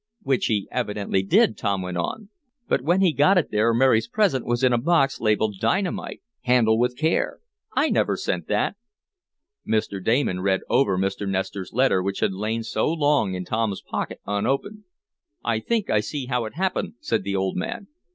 "Which he evidently did," Tom went on, "but when it got there Mary's present was in a box labeled 'Dynamite. Handle with care.' I never sent that." Mr. Damon read over Mr. Nestor's letter which had lain so long in Tom's pocket unopened. "I think I see how it happened," said the old man.